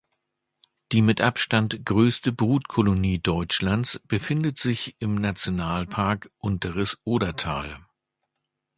Die mit Abstand größte Brutkolonie Deutschlands befindet sich im Nationalpark Unteres Odertal.